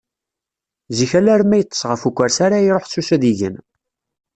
Zik alarma yeṭṭeṣ ɣef ukersi ara iruḥ s usu ad igen.